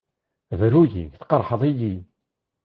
Bru-iyi! Tqerḥed-iyi!